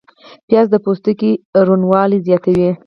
پیاز د پوستکي روڼوالی زیاتوي